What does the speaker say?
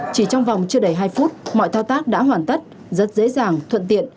chỉ trong vòng chưa đầy hai phút mọi thao tác đã hoàn tất rất dễ dàng thuận tiện